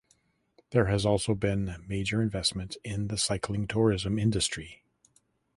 There has also been major investment into the cycling tourism industry.